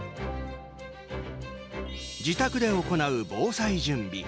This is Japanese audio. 自宅で行う防災準備。